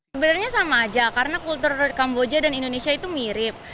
sebenarnya sama aja karena kultur kamboja dan indonesia itu mirip